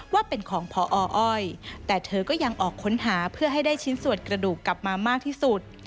ว่าเป็นของพออ้อยแต่เธอก็ยังออกค้นหาเพื่อให้ได้ชิ้นส่วนกระดูกกลับมามากที่สุด